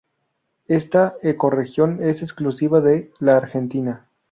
Esta ecorregión es exclusiva de la Argentina.